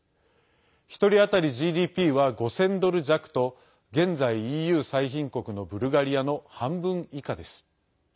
１人当たりＧＤＰは５０００ドル弱と現在、ＥＵ最貧国のブルガリアの半分以下です。